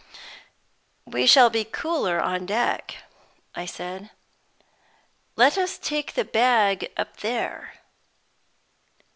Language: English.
"We shall be cooler on deck," I said. "Let us take the bag up there."